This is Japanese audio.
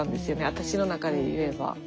私の中で言えば。